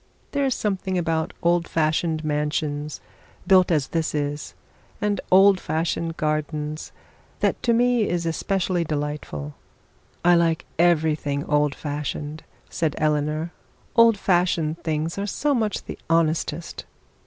There is something about old fashioned mansions, built as this is, and old fashioned gardens, that to me is especially delightful.' 'I like everything old fashioned,' said Eleanor; 'old fashioned things are so much the honestest.'